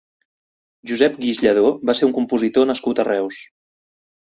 Josep Guix Lladó va ser un compositor nascut a Reus.